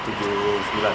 itu dari kilometer berapa